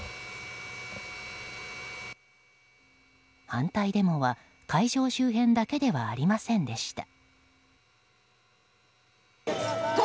反対デモは会場周辺だけではありませんでした。